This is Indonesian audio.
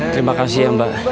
terima kasih ya mbak